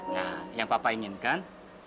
nah yang papa inginkan